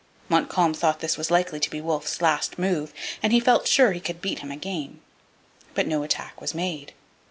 Montcalm thought that this was likely to be Wolfe's last move, and he felt sure he could beat him again. But no attack was made.